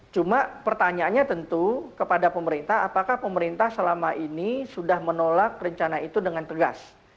cuma pertanyaannya tentu kepada pemerintah apakah pemerintah selama ini sudah menolak rencana itu dengan tegas